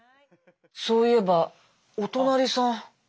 そういえばお隣さん。